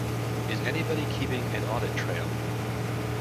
Is anybody keeping an audit trail?